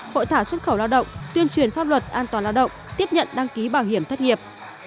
hội thảo xuất khẩu lao động tuyên truyền pháp luật an toàn lao động tiếp nhận đăng ký bảo hiểm thất nghiệp